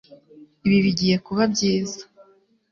Ibi bigiye kuba byiza